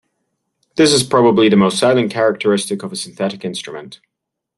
This is probably the most salient characteristic of a synthetic instrument.